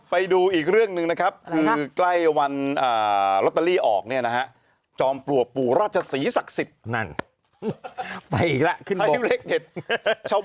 ไปอีกแล้วขึ้นบนช้าบ้านแห่งขอโชค